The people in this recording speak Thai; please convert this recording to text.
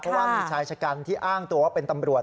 เพราะว่ามีชายชะกันที่อ้างตัวว่าเป็นตำรวจ